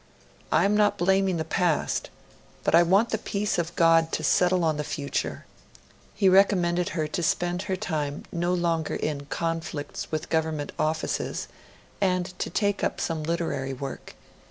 I am not blaming the past ... But I want the peace of God to settle on the future.' He recommended her to spend her time no longer in 'conflicts with Government offices', and to take up some literary work.